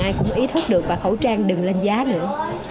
ai cũng ý thức được và khẩu trang đừng lên giá nữa